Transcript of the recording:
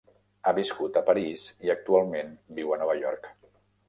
Ha viscut a París i actualment viu a Nova York.